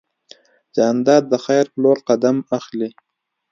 جانداد د خیر په لور قدم اخلي.